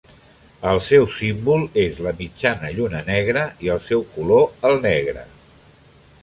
El seu símbol és la mitjana lluna negra i el seu color el negre.